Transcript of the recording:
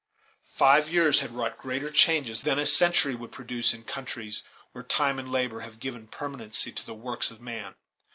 Five years had wrought greater changes than a century would produce in countries where time and labor have given permanency to the works of man.